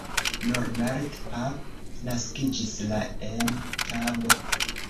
Norbert Pap naskiĝis la en Tab.